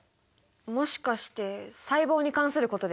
もしかして細胞に関することですか？